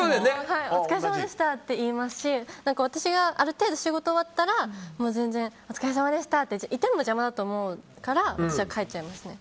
お疲れさまでしたって言いますし私がある程度仕事が終わったらお疲れさまでしたっていても邪魔だと思うから私は帰っちゃいますね。